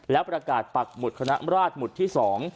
และประกาศปักหมุดคณะราชหมุดที่๒